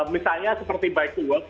misalnya seperti baik to work